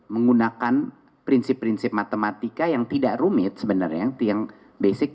menggunakan prinsip prinsip matematika yang tidak rumit sebenarnya yang basic